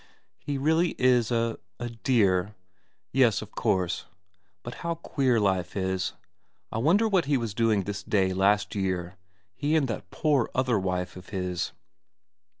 ' He really is a a dear. Yes. Of course. But how queer life is. I wonder what he was doing this day last year, he and that poor other wife of his.'